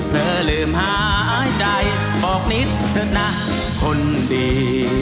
เธอลืมหายใจบอกนิดเถอะนะคนดี